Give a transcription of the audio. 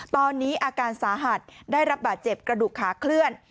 ตอนนี้อาการสาหัสได้รับบาดเจ็บกระดูกขาเคลื่อน